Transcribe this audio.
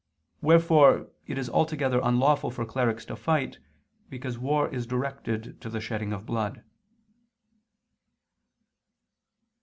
Wherefore it is altogether unlawful for clerics to fight, because war is directed to the shedding of blood.